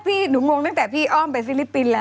พี่หนูงงตั้งแต่พี่อ้อมไปฟิลิปปินส์แล้ว